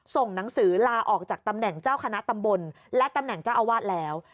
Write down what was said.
ส่งหนังสือลาออกจากตำแหน่งเจ้าคณะตำบลและตำแหน่งเจ้าอาวาสแล้ว